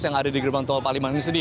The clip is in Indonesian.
yang ada di gerbang tol palimanan ini